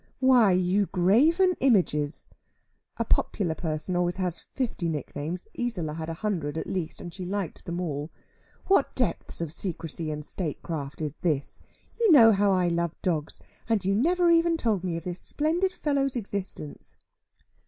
"Why, you graven images" a popular person always has fifty nicknames; Isola had a hundred at least, and she liked them all "what depth of secresy and statecraft is this! You know how I love dogs, and you never even told me of this splendid fellow's existence!"